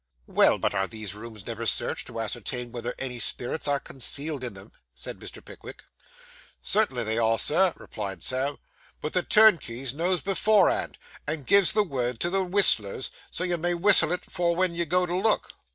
'Well, but are these rooms never searched to ascertain whether any spirits are concealed in them?' said Mr. Pickwick. 'Cert'nly they are, Sir,' replied Sam; 'but the turnkeys knows beforehand, and gives the word to the wistlers, and you may wistle for it wen you go to look.